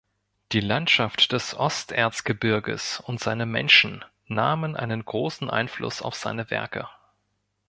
Die Landschaft des Osterzgebirges und seine Menschen nahmen einen großen Einfluss auf seine Werke.